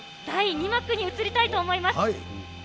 第２幕に移りたいと思います。